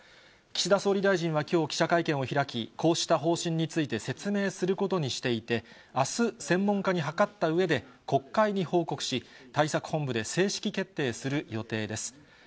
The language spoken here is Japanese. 岸田総理大臣はきょう記者会見を開き、こうした方針について説明することにしていて、あす、専門家に諮ったうえで、国会に報告し、対策本部で正式決定する予定です。